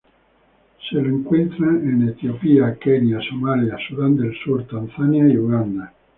Se lo encuentra en Etiopía, Kenia, Somalia, Sudan del Sur, Tanzania y Uganda.